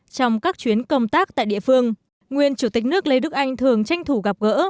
trong các chuyến công tác tại địa phương nguyên chủ tịch nước lê đức anh thường tranh thủ gặp gỡ